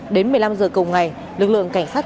đến một mươi năm giờ cùng ngày lực lượng cảnh sát